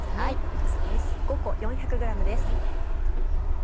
なすです。